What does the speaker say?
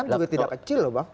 juga tidak kecil loh bang